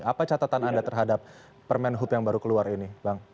apa catatan anda terhadap permenhub yang baru keluar ini